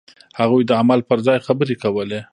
هغوی د عمل پر ځای خبرې کولې.